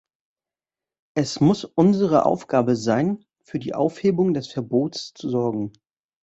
Es muss unsere Aufgabe sein, für die Aufhebung des Verbots zu sorgen.